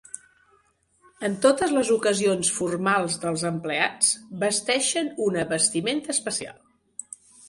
En totes les ocasions formals dels empleats vesteixen una vestimenta especial.